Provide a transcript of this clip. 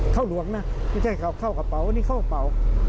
เข้าหลวงนะไม่ใช่เข้ากระเป๋าอันนี้เข้ากระเป๋า